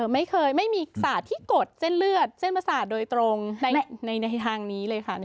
ไม่มีสาดที่กดเส้นเลือดเส้นประสาทโดยตรงในทางนี้เลยค่ะ